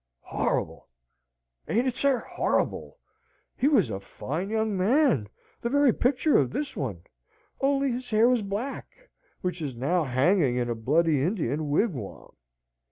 "Horrible! ain't it, sir? horrible! He was a fine young man, the very picture of this one; only his hair was black, which is now hanging in a bloody Indian wigwam.